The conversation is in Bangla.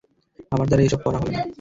আমার দ্বারা এসব পড়া হবে না।